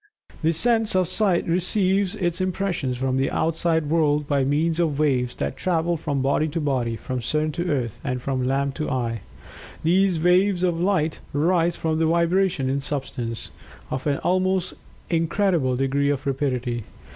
The sense of Sight receives its impressions from the outside world by means of waves that travel from body to body from sun to earth, and from lamp to eye. These waves of light arise from vibrations in substance, of an almost incredible degree of rapidity.